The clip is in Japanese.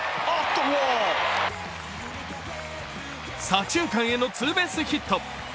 左中間へのツーベースヒット。